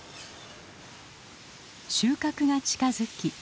収穫が近づき